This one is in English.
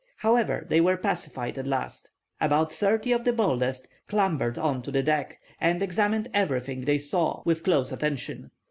However, they were pacified at last. About thirty of the boldest clambered on to the deck, and examined everything they saw with close attention.